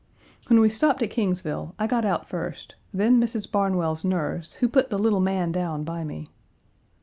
When we stopped at Kingsville, I got out first, then Mrs. Barnwell's nurse, who put the little man down by me.